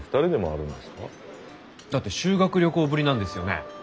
だって修学旅行ぶりなんですよね？